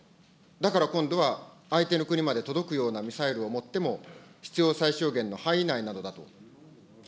だから今度は、相手の国まで届くようなミサイルを持っても、必要最小限の範囲内なのだと。